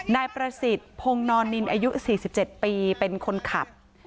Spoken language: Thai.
นายประสิทธิ์พงศ์นอนนินอายุ๔๗ปีเป็นคนขับ